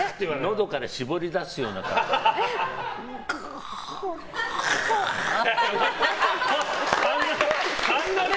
のどから絞り出すような感じで。